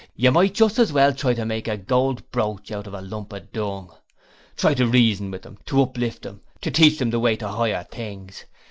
You might just as well try to make a gold brooch out of a lump of dung! Try to reason with them, to uplift them, to teach them the way to higher things.